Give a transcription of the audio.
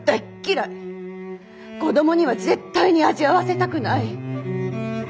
子供には絶対に味わわせたくない。